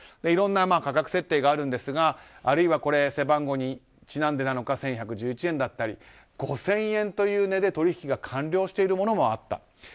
いろんな価格設定があるんですがあるいは背番号にちなんでなのか１１１１円だったり５０００円という値で取引が完了しているものもあった。